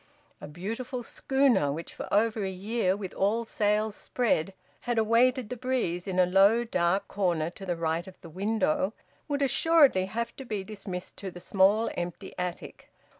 A beautiful schooner, which for over a year, with all sails spread, had awaited the breeze in a low dark corner to the right of the window, would assuredly have to be dismissed to the small, empty attic.